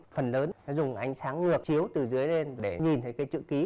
phần lớn nó dùng ánh sáng ngừa chiếu từ dưới lên để nhìn thấy cái chữ ký